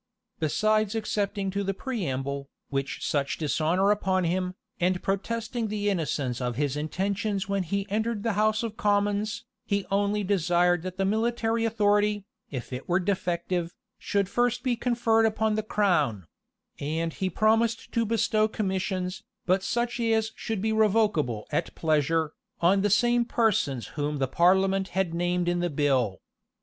Besides excepting to the preamble, which such dishonor upon him, and protesting the innocence of his intentions when he entered the house of commons, he only desired that the military authority, if it were defective, should first be conferred upon the crown; and he promised to bestow commissions, but such as should be revocable at pleasure, on the same persons whom the parliament had named in the bill.